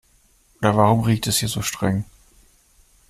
Oder warum riecht es hier so streng?